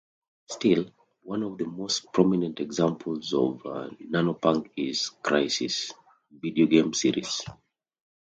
Still, one of the most prominent examples of nanopunk is "Crysis" video game series.